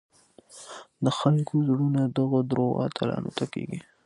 د خلکو زړونه دغو دروغو اتلانو ته کېږي.